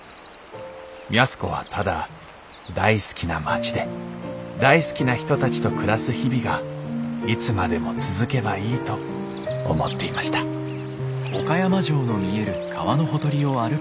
安子はただ大好きな町で大好きな人たちと暮らす日々がいつまでも続けばいいと思っていました「よい始め！」。